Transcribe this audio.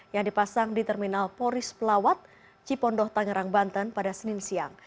yang dipasang di terminal poris pelawat cipondoh tangerang banten pada senin siang